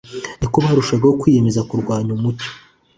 niko barushagaho kwiyemeza kurwanya umucyo.